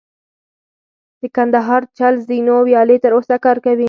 د کندهار چل زینو ویالې تر اوسه کار کوي